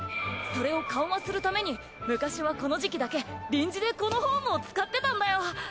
それを緩和するために昔はこの時期だけ臨時でこのホームを使ってたんだよ。